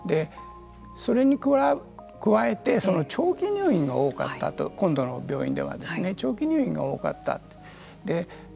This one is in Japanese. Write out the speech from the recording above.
それに加えて長期入院が多かった今度の病院ではですね長期入院が多かった。